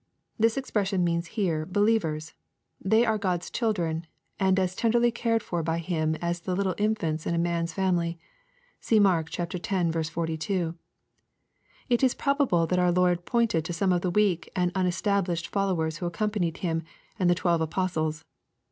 ] This expression means here "believers." They are God's children, and as tenderly cared for by him, as the little infants in a man's family. (Bee Mark x. 42.) It is probable that our Lord pointed to some or the weak and unestablished fol lowers who accompanied Him and the twelve apostles.